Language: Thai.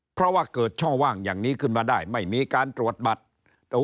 เพราะว่าเกิดช่องว่างอย่างนี้ขึ้นมาได้ไม่มีการตรวจบัตร